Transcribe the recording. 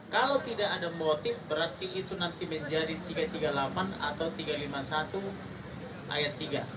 kalau tidak ada motif berarti itu nanti menjadi tiga ratus tiga puluh delapan atau tiga ratus lima puluh satu ayat tiga